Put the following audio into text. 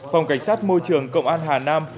phòng cảnh sát môi trường công an hà nam